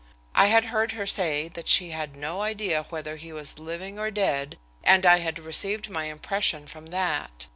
I had heard her say that she had no idea whether he was living or dead, and I had received my impression from that.